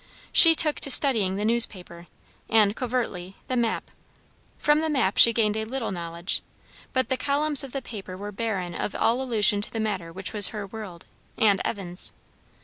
She took to studying the newspaper, and, covertly, the map. From the map she gained a little knowledge; but the columns of the paper were barren of all allusion to the matter which was her world, and Evan's.